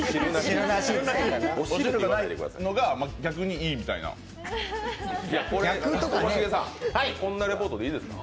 お汁がないのが逆にいいみたいな。ともしげさん、こんなリポートでいいですか？